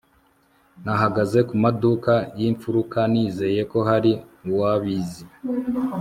nahagaze kumaduka yimfuruka nizeye ko hari uwabizi